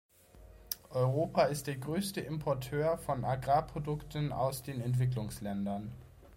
Europa ist der größte Importeur von Agrarprodukten aus den Entwicklungsländern.